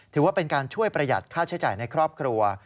ถือว่าเป็นการช่วยประหยัดค่าใช้จ่ายในครอบครัว